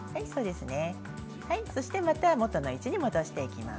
そして、また元の位置に戻していきます。